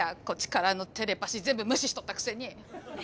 こっちからのテレパシー全部無視しとったくせに！